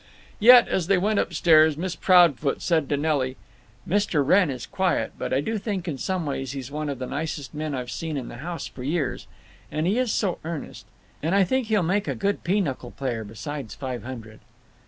Yet, as they went up stairs Miss Proudfoot said to Nelly: "Mr. Wrenn is quiet, but I do think in some ways he's one of the nicest men I've seen in the house for years. And he is so earnest. And I think he'll make a good pinochle player, besides Five Hundred."